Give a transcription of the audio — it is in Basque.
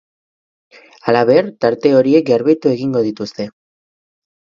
Halaber, tarte horiek garbitu egingo dituzte.